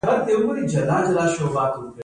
د فراه غنم په ګرمو سیمو کې کیږي.